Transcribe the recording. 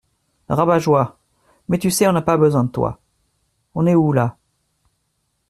Rabat-joie ! Mais tu sais, on n’a pas besoin de toi. On est où, là ?